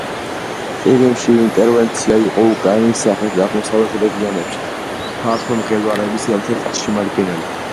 ყირიმში ინტერვენცია იყო უკრაინის სამხრეთ და აღმოსავლეთ რეგიონებში ფართო მღელვარების ერთ-ერთი შემადგენელი.